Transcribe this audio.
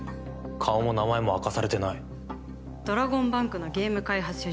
顔も名前も明かされてないドラゴンバンクのゲーム開発者